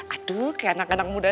aduh kayak anak anak muda